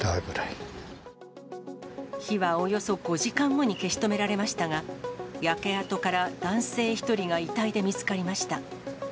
火はおよそ５時間後に消し止められましたが、焼け跡から男性１人が遺体で見つかりました。